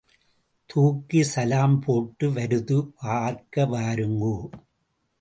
தூக்கி சலாம் போட்டு வருது பார்க்க வாருங்கோ.